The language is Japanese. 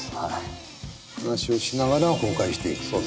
話をしながら崩壊していくという。